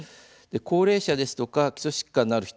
高齢者ですとか基礎疾患のある人